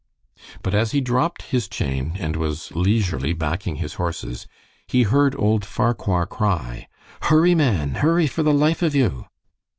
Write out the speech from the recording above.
But as he dropped his chain and was leisurely backing his horses, he heard old Farquhar cry, "Hurry, man! Hurry, for the life of you!"